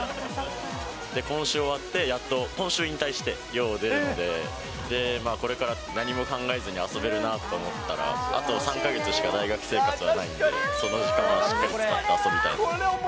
今週終わって、やっと今週引退して、寮を出るので、これから何も考えずに遊べるなと思ったら、あと３か月しか、大学生活はないんで、その時間をしっかり使って遊びたい。